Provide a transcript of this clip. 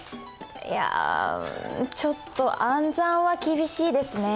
いやちょっと暗算は厳しいですね。